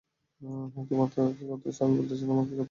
হেই, তোমরা কি করতেছো, আমি বলতেছি তোমরা কি করতেছো?